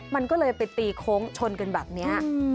มันก็เลยไปตีโค้งชนกันแบบนี้